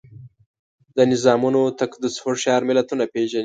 د نظامونو تقدس هوښیار ملتونه پېژني.